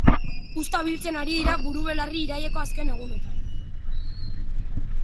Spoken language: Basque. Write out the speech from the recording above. Uzta biltzen ari dira burubelarri iraileko azken egunotan.